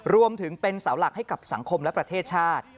รวมถึงเป็นเสาหลักให้กับสังคมและประเทศชาติ